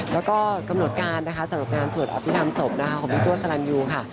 แล้วก็กำหนดการส่งงานส่วนอภิกษ์ทำศพของพิทัวร์สลันยูค่ะ